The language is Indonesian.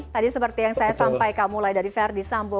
tadi seperti yang saya sampaikan mulai dari verdi sambo